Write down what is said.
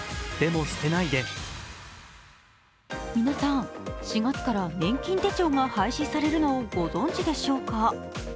皆さん、４月から年金手帳が廃止されるのをご存じでしょうか。